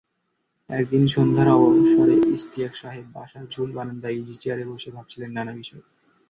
একদিন সন্ধ্যার অবসরে ইশতিয়াক সাহেব বাসার ঝুল বারান্দায় ইজিচেয়ারে বসে ভাবছিলেন নানা বিষয়ে।